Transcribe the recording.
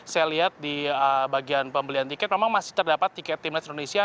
saya lihat di bagian pembelian tiket memang masih terdapat tiket timnas indonesia